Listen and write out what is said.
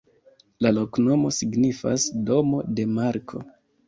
La loknomo signifas: domo de Marko.